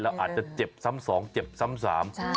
อาจจะเจ็บซ้ำสองเจ็บซ้ำสาม